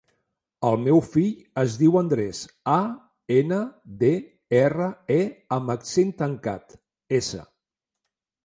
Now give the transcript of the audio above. El meu fill es diu Andrés: a, ena, de, erra, e amb accent tancat, essa.